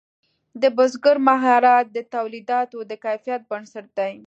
د بزګر مهارت د تولیداتو د کیفیت بنسټ دی.